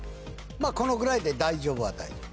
このぐらいで大丈夫は大丈夫？